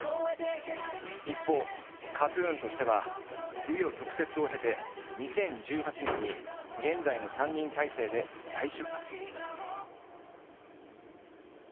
一方ＫＡＴ−ＴＵＮとしては紆余曲折を経て２０１８年に現在の３人体制で再出発。